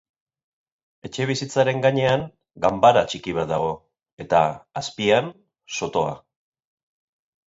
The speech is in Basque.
Etxebizitzaren gainean ganbara txiki bat dago, eta azpian sotoa.